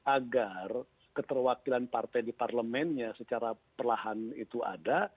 agar keterwakilan partai di parlemennya secara perlahan itu ada